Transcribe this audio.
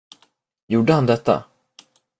Gjorde han detta?